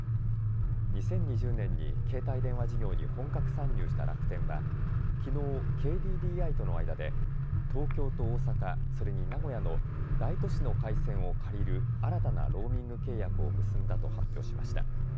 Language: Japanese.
２０２０年に携帯電話事業に本格参入した楽天はきのう、ＫＤＤＩとの間で東京と大阪、それに名古屋の大都市の回線を借りる新たなローミング契約を結んだと発表しました。